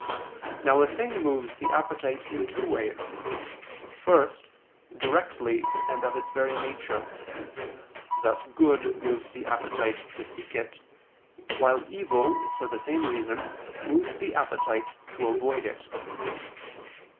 Now a thing moves the appetite in two ways. First, directly and of its very nature: thus good moves the appetite to seek it, while evil, for the same reason, moves the appetite to avoid it.